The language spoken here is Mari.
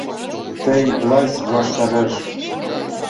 Тый власть ваштареш?